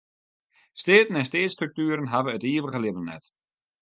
Steaten en steatsstruktueren hawwe it ivige libben net.